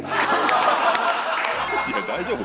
いや大丈夫？